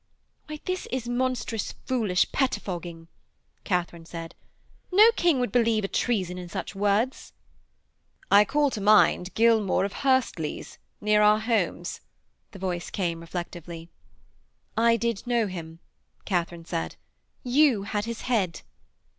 'Why, this is monstrous foolish pettifogging,' Katharine said. 'No king would believe a treason in such words.' 'I call to mind Gilmaw of Hurstleas, near our homes,' the voice came, reflectively. 'I did know him,' said Katharine. 'You had his head.'